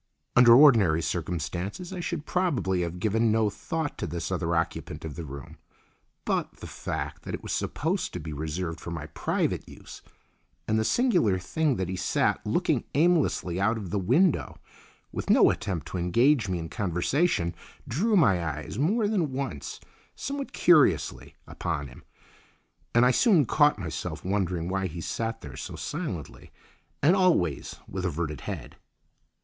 Under ordinary circumstances I should probably have given no thought to this other occupant of the room; but the fact that it was supposed to be reserved for my private use, and the singular thing that he sat looking aimlessly out of the window, with no attempt to engage me in conversation, drew my eyes more than once somewhat curiously upon him, and I soon caught myself wondering why he sat there so silently, and always with averted head.